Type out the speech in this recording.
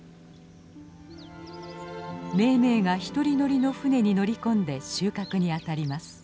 めいめいが１人乗りの舟に乗り込んで収穫にあたります。